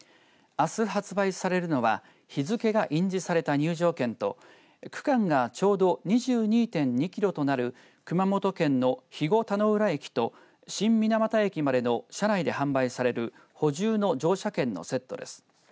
あす発売されるのは日付が印字された入場券と区間がちょうど２２．２キロとなる熊本県の肥後田浦駅と新水俣駅までの車内で販売される補充の乗車券のセットです。